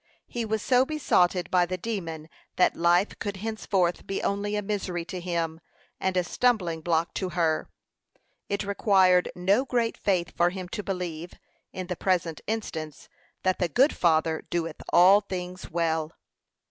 He was so besotted by the demon that life could henceforth be only a misery to him, and a stumbling block to her. It required no great faith for him to believe, in the present instance, that the good Father doeth all things well.